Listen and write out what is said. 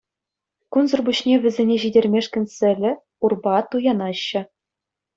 Кунсӑр пуҫне вӗсене ҫитермешкӗн сӗлӗ, урпа туянаҫҫӗ.